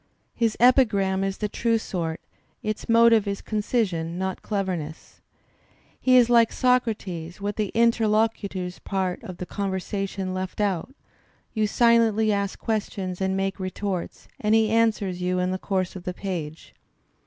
His epigram is the true sort; its motive is concision, not cleverness. He is like Socrates with the inter locutor's part of the conversation left out; you silently ask questions and make retorts, and he answers you in the course of the page.